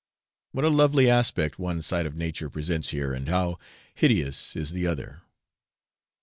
What a lovely aspect one side of nature presents here, and how hideous is the other!